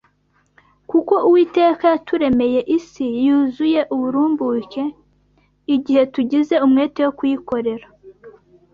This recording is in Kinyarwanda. Kuko Uwiteka yaturemeye isi yuzuye uburumbuke, igihe tugize umwete wo kuyikorera.